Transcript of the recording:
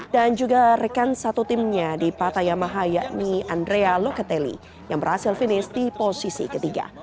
dan juga rekan satu timnya di patayamaha yakni andrea locatelli yang berhasil finish di posisi ketiga